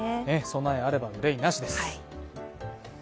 備えあれば憂いなしです。